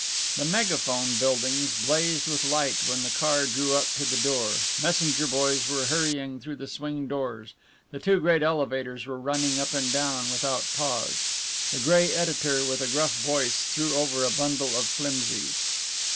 The Megaphone buildings blazed with light when the car drew up to the door, messenger boys were hurrying through the swing doors, the two great elevators were running up and down without pause. The grey editor with a gruff voice threw over a bundle of flimsies.